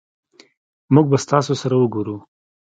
مونږ به ستاسو سره اوګورو